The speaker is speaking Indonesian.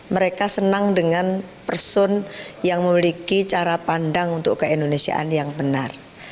mereka senang dengan person yang memiliki cara pandang untuk keindonesiaan yang benar